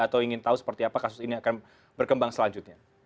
atau ingin tahu seperti apa kasus ini akan berkembang selanjutnya